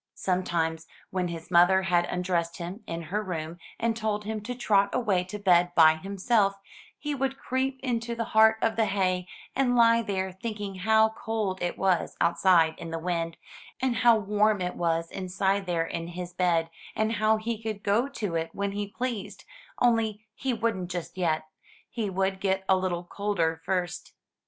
Sometimes, when his mother had undressed him in her room and told him to trot away to bed by himself, he would creep into the heart of the hay, and lie there thinking how cold it was outside in the wind, and how warm it was inside there in his bed, and how he could go to it when he pleased, only he wouldn't just yet; he would get a little colder first.